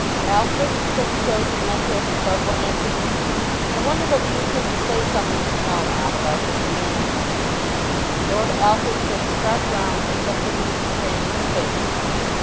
"Alfred," said the chosen mentor at the club one afternoon, "I wonder whether you couldn't say something to Melmotte about his manner." Lord Alfred turned sharp round and looked into his companion's face.